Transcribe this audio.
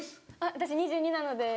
私２２なので。